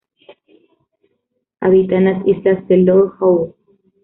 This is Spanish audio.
Habita en las Isla de Lord Howe.